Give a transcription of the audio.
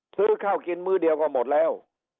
ซื้อข้าวกินมื้อเดียวก็หมดแล้ว